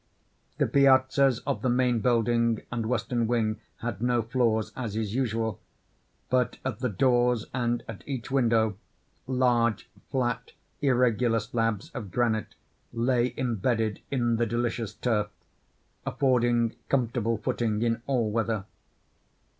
The piazzas of the main building and western wing had no floors, as is usual; but at the doors and at each window, large, flat irregular slabs of granite lay imbedded in the delicious turf, affording comfortable footing in all weather.